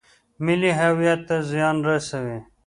ملي هویت ته زیان رسوي.